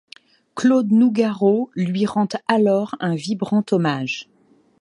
Claude Nougaro lui rend alors un vibrant hommage.